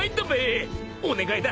お願いだ。